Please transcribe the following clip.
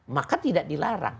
maka tidak dilarang